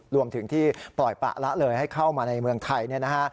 รวมถึงที่ปล่อยปะละเลยให้เข้ามาในเมืองไทยเนี่ยนะฮะ